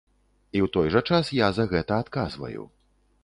І ў той жа час я за гэта адказваю.